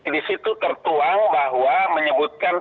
di situ tertuang bahwa menyebutkan